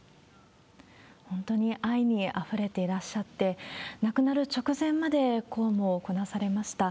本当に愛にあふれていらっしゃって、亡くなる直前まで公務をこなされました。